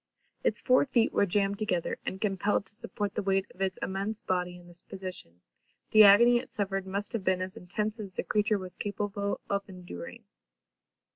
Its four feet were jammed together; and, compelled to support the weight of its immense body in this position, the agony it suffered must have been as intense as the creature was capable of enduring.